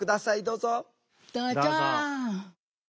どうぞ。